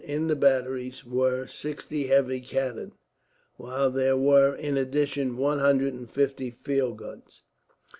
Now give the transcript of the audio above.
In the batteries were sixty heavy cannon; while there were, in addition, one hundred and fifty field guns.